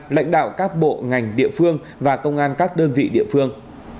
lãnh đạo các bộ ngành địa phương và công an các đơn vị địa phương